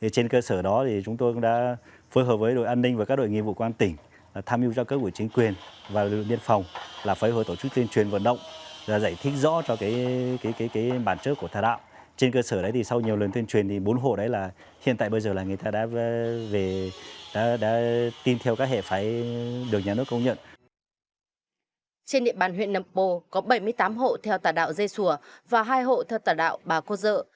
trên địa bàn huyện năm pô có bảy mươi tám hộ theo tà đạo dây sùa và hai hộ theo tà đạo báo cố dợ